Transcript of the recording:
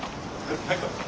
はい。